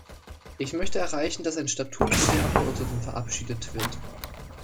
Ich möchte erreichen, dass ein Statut für die Abgeordneten verabschiedet wird.